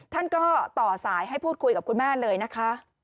ท่านก็ต่อสายให้พูดคุยกับคุณแม่เลยนะคะ